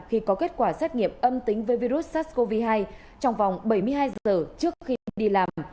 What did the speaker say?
khi có kết quả xét nghiệm âm tính với virus sars cov hai trong vòng bảy mươi hai giờ trước khi đi làm